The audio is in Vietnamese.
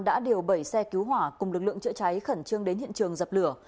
đã điều bảy xe cứu hỏa cùng lực lượng chữa cháy khẩn trương đến hiện trường dập lửa